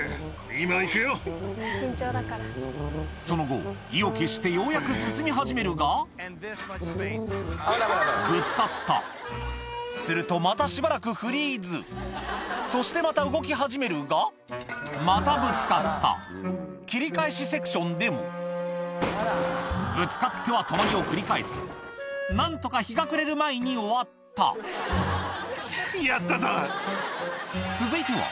その後意を決してようやく進み始めるがぶつかったするとまたしばらくフリーズそしてまた動き始めるがまたぶつかった切り返しセクションでもぶつかっては止まりを繰り返す何とか日が暮れる前に終わったやったぞ！